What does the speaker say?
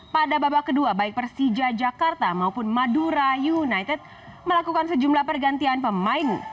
pada babak kedua baik persija jakarta maupun madura united melakukan sejumlah pergantian pemain